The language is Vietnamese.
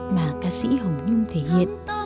mà ca sĩ hồng nhung thể hiện